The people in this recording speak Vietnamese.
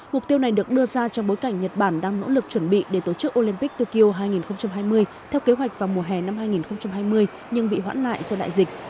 mục tiêu này được đưa ra trong bối cảnh nhật bản đang nỗ lực chuẩn bị để tổ chức olympic tokyo hai nghìn hai mươi theo kế hoạch vào mùa hè năm hai nghìn hai mươi nhưng bị hoãn lại do đại dịch